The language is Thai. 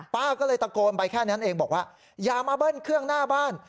ป้าก็เลยตะโกนไปแค่นั้นเองบอกว่าอย่ามาเบิ้ลเครื่องหน้าบ้าน